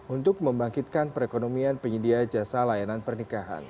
untuk membangkitkan perekonomian penyedia jasa layanan pernikahan